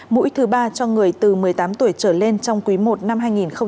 mũi thứ ba cho người từ một mươi tám tuổi trở lên trong quý i năm hai nghìn hai mươi